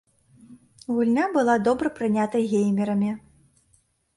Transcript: Гульня была добра прынята геймерамі.